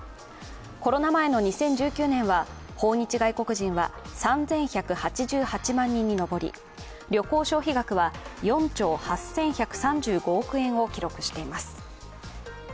コロナ前の２０１９年は訪日外国人は３１８８万人に上り旅行消費額は４兆８１３５億円を記録しています。